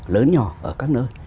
lớn nhỏ ở các nơi